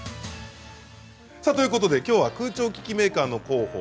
さあということできょうは空調機器メーカーの広報